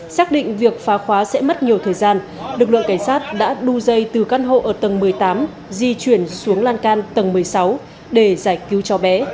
xác định việc phá khóa sẽ mất nhiều thời gian lực lượng cảnh sát đã đu dây từ căn hộ ở tầng một mươi tám di chuyển xuống lan can tầng một mươi sáu để giải cứu cháu bé